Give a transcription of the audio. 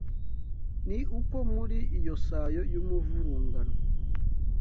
Ni uko muri iyo sayo y’umuvurungano